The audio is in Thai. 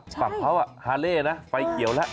ฝั่งเขาฮาเล่นะไฟเขียวแล้ว